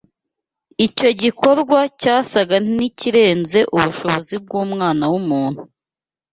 Icyo gikorwa cyasaga n’ikirenze ubushobozi bw’umwana w’umuntu